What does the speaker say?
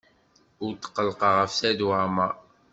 Ur tqellqeɣ ɣef Saɛid Waɛmaṛ.